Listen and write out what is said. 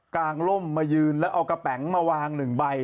กางล่มมายืนเอากระแป๋งมาวางหนึ่งใบ